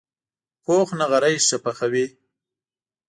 پوخ نغری ښه پخوي